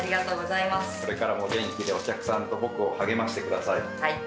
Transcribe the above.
これからも元気でお客さんと僕を励ましてください。